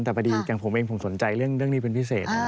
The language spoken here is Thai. แต่พอดีอย่างผมเองผมสนใจเรื่องนี้เป็นพิเศษ